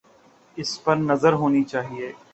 اس پہ نظر ہونی چاہیے۔